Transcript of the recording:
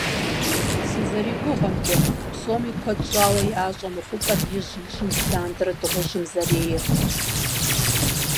СызэригугъэмкӀэ, псоми куэд щӀауэ ящӀэ мы хъупӀэр ижь-ижьыж лъандэрэ дыгъужьым зэрейр.